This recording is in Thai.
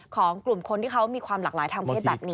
ของกลุ่มคนที่เขามีความหลากหลายทางเพศแบบนี้